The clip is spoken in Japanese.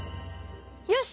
よし！